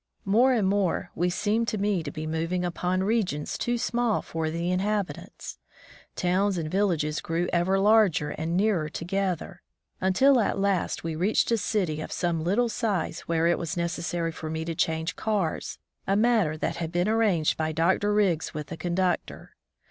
More and more we seemed to me to be moving upon regions too small for the inhabitants. Towns and vil lages grew ever larger and nearer together, until at last we reached a city of some little size where it was necessary for me to change cars, a matter that had been arranged by Dr. Riggs with the conductor.